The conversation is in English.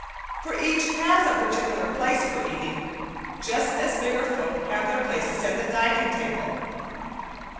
For each has a particular place for eating, just as bigger folk have their places at the dining table.